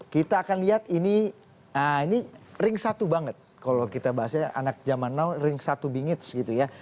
kita akan lihat ini ring satu banget kalau kita bahasnya anak zaman now ring satu bingits gitu ya